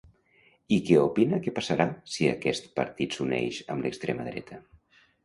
I què opina que passarà si aquest partit s'uneix amb l'extrema dreta?